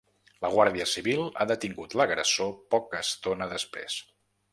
La guàrdia civil ha detingut l’agressor poca estona després.